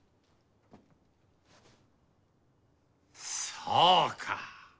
そうか。